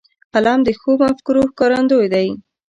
قلم د ښو مفکورو ښکارندوی دی